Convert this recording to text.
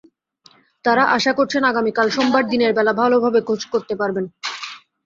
তাঁরা আশা করছেন, আগামীকাল সোমবার দিনের বেলা ভালোভাবে খোঁজ করতে পারবেন।